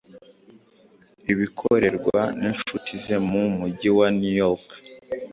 ibikorewe n’inshuti ze mu Mujyi wa New York